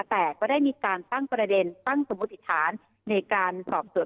แต่ก็ได้มีการตั้งประเด็นตั้งสมมุติฐานในการสอบสวน